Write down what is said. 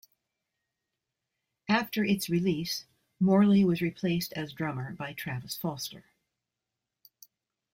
After its release, Morley was replaced as drummer by Travis Foster.